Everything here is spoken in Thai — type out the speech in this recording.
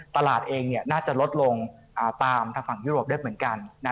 ตลาดเองจะลดลงตามฟังยุโรปอีกเหมือนกัน